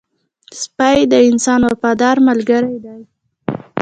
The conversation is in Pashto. سپی د انسان وفادار ملګری دی